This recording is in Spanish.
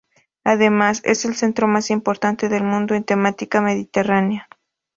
Además, es el centro más importante del mundo en temática mediterránea.